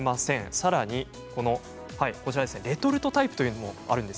さらにレトルトタイプというのもあるんです。